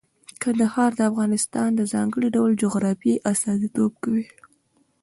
کندهار د افغانستان د ځانګړي ډول جغرافیه استازیتوب کوي.